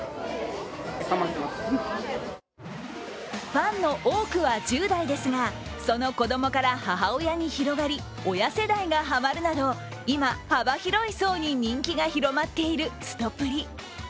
ファンの多くは１０代ですがその子供から母親に広がり、親世代がハマるなど、今、幅広い層に人気が広まっているすとぷり。